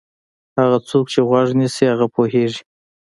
هغه څوک چې غوږ نیسي هغه پوهېږي.